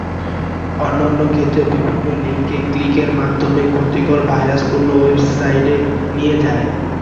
অন্যান্য ক্ষেত্রে বিভিন্ন লিংকে ক্লিকের মাধ্যমে ক্ষতিকর ভাইরাসপূর্ণ ওয়েবসাইটে নিয়ে যায়।